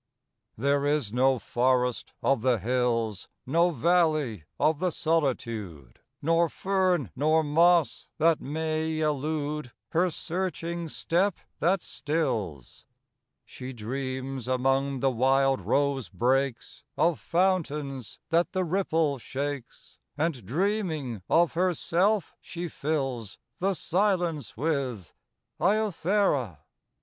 There is no forest of the hills, No valley of the solitude, Nor fern nor moss, that may elude Her searching step that stills: She dreams among the wild rose brakes Of fountains that the ripple shakes, And, dreaming of herself, she fills The silence with "Iothera."